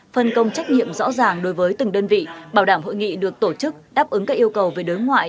phân công trách nhiệm rõ ràng đối với từng đơn vị bảo đảm hội nghị được tổ chức đáp ứng các yêu cầu về đối ngoại